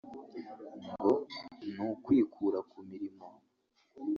ngo ni ukwikura ku mirimo